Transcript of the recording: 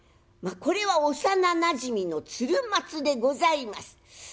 これは幼なじみの鶴松でございます。